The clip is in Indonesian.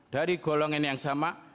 dari golongan yang sama